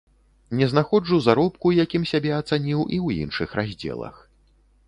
Не знаходжу заробку, якім сябе ацаніў, і ў іншых раздзелах.